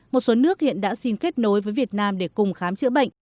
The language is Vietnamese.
một số nước hiện đã xin kết nối với việt nam để cùng khám chữa bệnh